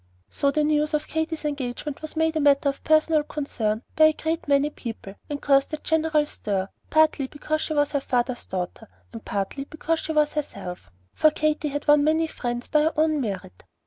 So the news of Katy's engagement was made a matter of personal concern by a great many people, and caused a general stir, partly because she was her father's daughter, and partly because she was herself; for Katy had won many friends by her own merit.